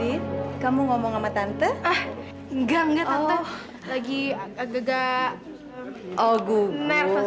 eh kamu dimana kalian